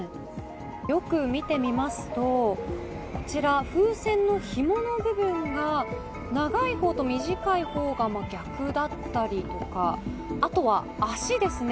よく見てみますと風船のひもの部分が長いほうと短いほうが逆だったりとかあとは、足ですね。